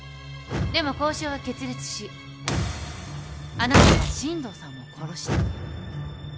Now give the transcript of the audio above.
でも交渉は決裂しあなたは進藤さんを殺した。